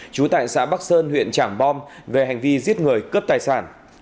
trú tại xã bắc sơn huyện trảng bom về hành vi giết người cướp tài sản